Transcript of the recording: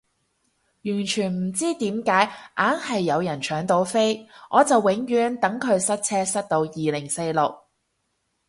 完全唔知點解硬係有人搶到飛，我就永遠等佢塞車塞到二零四六